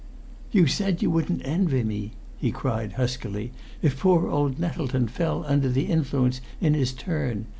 "You said you wouldn't envy me," he cried, huskily, "if poor old Nettleton fell under the influence in his turn.